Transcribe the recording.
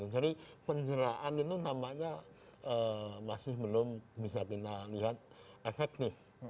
jadi penjaraan itu tampaknya masih belum bisa kita lihat efektif